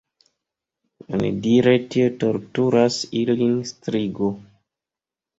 Onidire tie torturas ilin strigo.